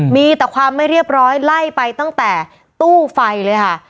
มีแต่ความไม่เรียบร้อยไล่ไปตั้งแต่ตู้ไฟเลยค่ะ